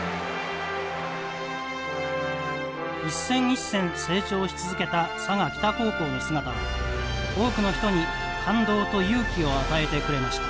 一戦一戦成長し続けた佐賀北高校の姿は多くの人に感動と勇気を与えてくれました。